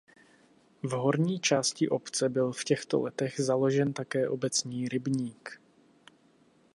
V horní části obce byl v těchto letech založen také obecní rybník.